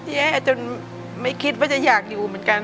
แย่จนไม่คิดว่าจะอยากอยู่เหมือนกัน